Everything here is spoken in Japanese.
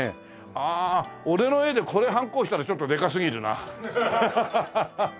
ああ俺の絵でこれはんこ押したらちょっとでかすぎるなハハハ。